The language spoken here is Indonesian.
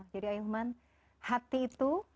jadi ayah iman hati itu